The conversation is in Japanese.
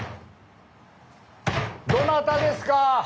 ・どなたですか？